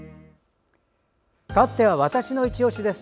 かわっては「＃わたしのいちオシ」です。